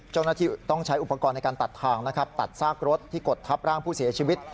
เจ้าหน้าที่ต้องใช้อุปกรณ์ในการตัดทางนะครับตัดซากรถที่กดทับร่างผู้เสียชีวิต